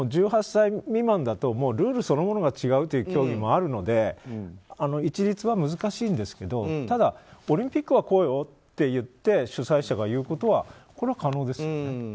１８歳未満だとルールそのものが違う競技もあるので一律は難しいんですけどただオリンピックはこうよと主催者が言うことは可能ですね。